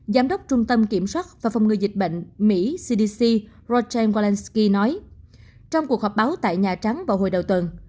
giám đốc trung tâm kiểm soát và phòng ngừa dịch bệnh mỹ cdc rotchen walesky nói trong cuộc họp báo tại nhà trắng vào hồi đầu tuần